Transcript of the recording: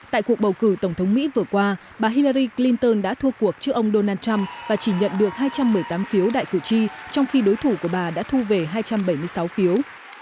tại cuộc bầu cử tổng thống mỹ vừa qua bà hilary clinton đã thu cuộc trước ông donald trump và chỉ nhận được hai trăm một mươi tám phiếu đại cử tri trong khi đối thủ của bà đã thu về hai trăm bảy mươi sáu phiếu